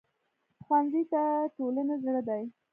ښوونځی د ټولنې زړه دی